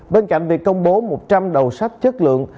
bên cạnh việc công bố một trăm linh đầu sách chất lượng